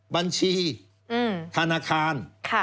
บัญชีธนาคาร